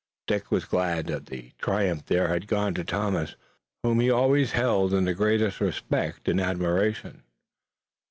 Dick was glad that the triumph there had gone to Thomas, whom he always held in the greatest respect and admiration.